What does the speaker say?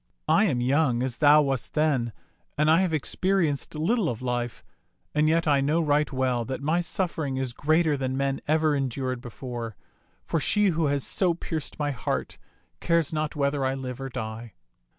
I am young, as thou wast then, and I have experienced little of life, and yet I know right well that my suffering is greater than men ever endured before, for she who has so pierced my heart cares not whether I live or die.